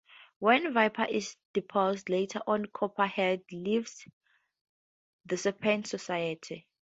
When Viper is deposed later on Copperhead leaves the Serpent Society.